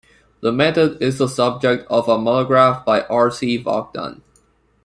The method is the subject of a monograph by R. C. Vaughan.